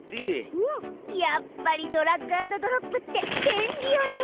うんやっぱりドラッグアンドドロップって便利よね。